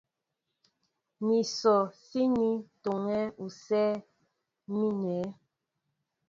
Ní sɔ síní tɔ́ŋɛ usɛ́ɛ́ mínɛ.